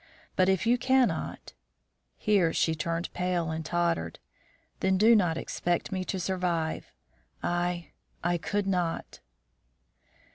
But if you cannot, " here she turned pale and tottered, "then do not expect me to survive. I I could not."